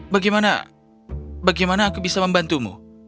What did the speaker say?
bagaimana bagaimana aku bisa membantumu